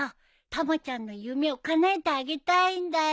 たまちゃんの夢をかなえてあげたいんだよ。